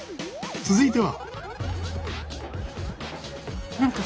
続いては。